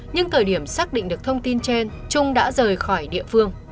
nhưng thời điểm xác định được thông tin trên trung đã rời khỏi địa phương